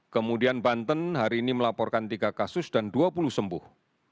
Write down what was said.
kemudian banten hari ini melaporkan tiga kasus dan dua puluh sembuh